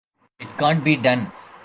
It can't be done.